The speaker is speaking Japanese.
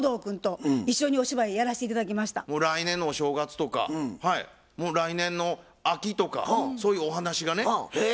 もう来年のお正月とかもう来年の秋とかそういうお話がね。へえ。